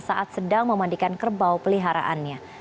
saat sedang memandikan kerbau peliharaannya